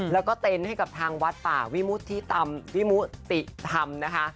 แล้วก็เต้นให้กับทางวัดป่าวิมุธิธรรมนะคะ